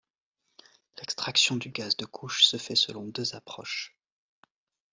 L'extraction du gaz de couche se fait selon deux approches.